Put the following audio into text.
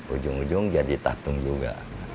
ujung ujung jadi tatung juga